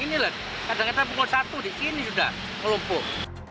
ini kadang kadang pukul satu di sini sudah melumpuh